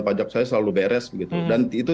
pajak saya selalu beres begitu dan itu